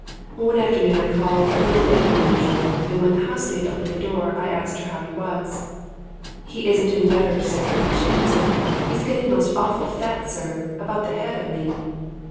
One afternoon I called a little later than usual, and when the housemaid opened the door I asked her how he was. "He isn't any better, sir," she answered. "He's getting most awful fat, sir; about the head I mean."